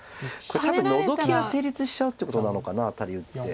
多分ノゾキは成立しちゃうっていうことなのかなアタリ打って。